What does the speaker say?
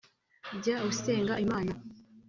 Jya usenga Imana